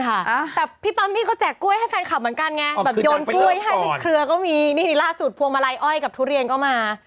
แต่พี่ปั๊มมี่ก็แจกกล้วยให้แฟนคลับเหมือนกันไงแบบโยนกล้วยให้เป็นเครือก็มีนี่ล่าสุดพวงมาลัยอ้อยกับทุเรียนก็มา